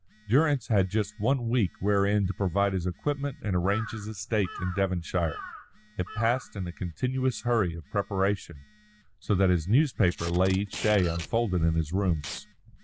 Durrance had just one week wherein to provide his equipment and arrange his estate in Devonshire. It passed in a continuous hurry of preparation, so that his newspaper lay each day unfolded in his rooms.